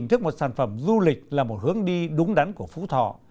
sẽ hình thức một sản phẩm du lịch là một hướng đi đúng đắn của phú thọ